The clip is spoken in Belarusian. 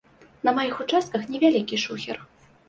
На маіх участках невялікі шухер.